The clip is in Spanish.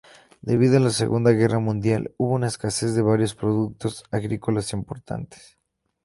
Debido a la Segunda Guerra Mundial, hubo una escasez de varios productos agrícolas importantes.